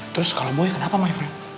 terus kalau boy kenapa my friend